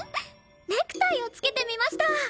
ネクタイを着けてみました！